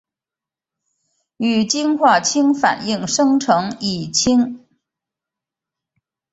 与氰化氢反应生成乙腈。